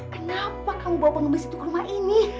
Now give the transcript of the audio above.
kenapa kamu bawa pengemis itu ke rumah ini